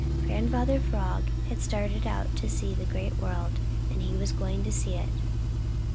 Grandfather Frog had started out to see the Great World, and he was going to see it.